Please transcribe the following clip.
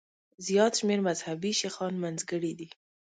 زیات شمېر مذهبي شیخان منځګړي دي.